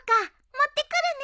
持ってくるね。